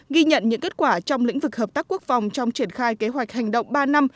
ghi nhận những kết quả trong lĩnh vực hợp tác quốc phòng trong triển khai kế hoạch hành động ba năm